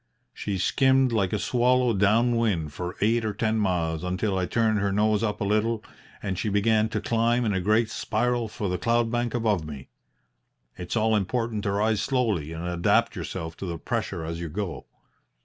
She skimmed like a swallow down wind for eight or ten miles until I turned her nose up a little and she began to climb in a great spiral for the cloud bank above me. It's all important to rise slowly and adapt yourself to the pressure as you go.